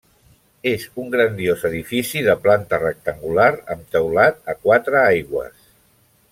És un grandiós edifici de planta rectangular amb teulat a quatre aigües.